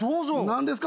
何ですか？